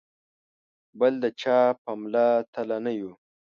بل د چا په مله تله نه یو.